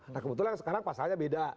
nah kebetulan sekarang pasalnya beda